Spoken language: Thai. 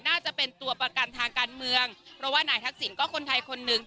น่าจะเป็นตัวประกันทางการเมืองเพราะว่านายทักษิณก็คนไทยคนหนึ่ง